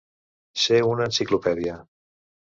Ser una enciclopèdia.